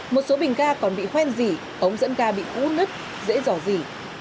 một số bình ga còn bị hoen dỉ ống dẫn ga bị cũ nứt dễ dò dỉ